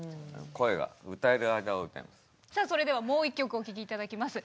さあそれではもう一曲お聴き頂きます。